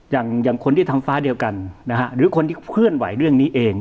อย่างอย่างคนที่ทำฟ้าเดียวกันนะฮะหรือคนที่เคลื่อนไหวเรื่องนี้เอง